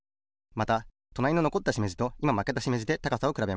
またとなりののこったしめじといままけたしめじで高さをくらべます。